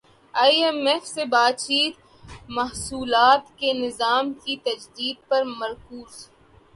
ئی M F سے بات چیت محصولات کے نظام کی تجدید پر مرکوز